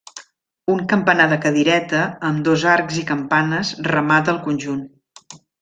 Un campanar de cadireta amb dos arcs i campanes remata el conjunt.